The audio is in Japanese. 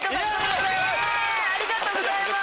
ありがとうございます！